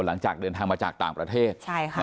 หลังจากเดินทางมาจากต่างประเทศ